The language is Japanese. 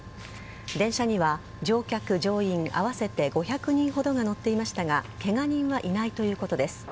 電車には乗客・乗員合わせて５００人ほどが乗っていましたがケガ人はいないということです。